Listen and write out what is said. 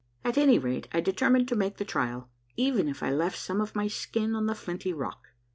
At any rate, I determined to make the trial, even if I left some of my skin on the flinty rock.